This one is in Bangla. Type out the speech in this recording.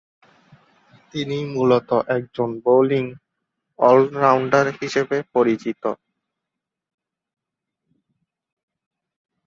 তিনি মুলত একজন বোলিং অল-রাউন্ডার হিসেবে পরিচিত।